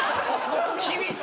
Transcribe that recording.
厳しい！